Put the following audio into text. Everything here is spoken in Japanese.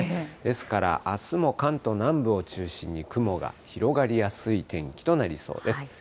ですから、あすも関東南部を中心に雲が広がりやすい天気となりそうです。